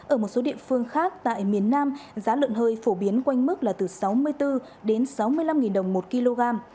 ở một số địa phương khác tại miền nam giá lợn hơi phổ biến quanh mức là từ sáu mươi bốn đến sáu mươi năm đồng một kg